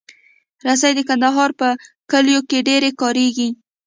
رسۍ د کندهار په کلیو کې ډېره کارېږي.